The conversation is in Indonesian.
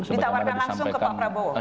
ditawarkan langsung ke pak prabowo